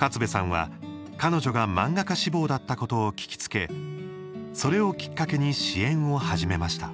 勝部さんは、彼女が漫画家志望だったことを聞きつけそれをきっかけに支援を始めました。